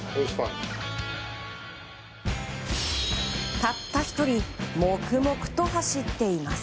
たった１人黙々と走っています。